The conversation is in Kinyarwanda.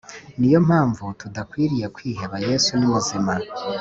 Niyo mpamvu tudakwiriye kwiheba yesu ni muzima